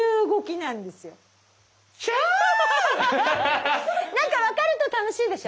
なんか分かると楽しいでしょ？